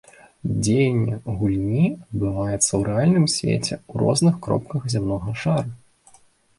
Дзеянне гульні адбываецца ў рэальным свеце ў розных кропках зямнога шара.